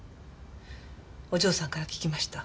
お嬢さんから聞きました。